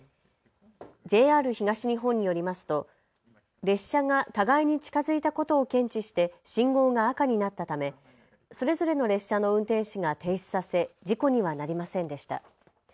ＪＲ東日本によりますと列車が互いに近づいたことを検知して信号が赤になったためそれぞれの列車の運転士が停止させ事故にはなりませんでした。